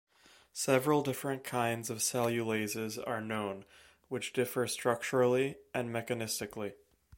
Several different kinds of cellulases are known, which differ structurally and mechanistically.